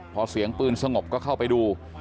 พอเสียงปืนสงบก็เข้าไปดู